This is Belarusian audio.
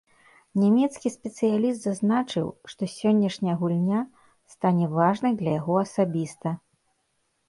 Нямецкі спецыяліст зазначыў, што сённяшняя гульня стане важнай для яго асабіста.